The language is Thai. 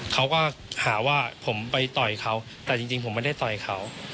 เขาก็หาว่าผมไปต่อยเขาแต่จริงผมไม่ได้ต่อยเขา